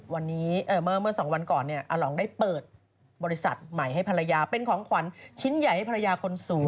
วันนี้เมื่อสองวันก่อนอาหลองได้เปิดบริษัทใหม่ให้ภรรยาเป็นของขวัญชิ้นใหญ่ให้ภรรยาคนสูง